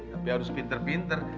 tapi harus pinter pinter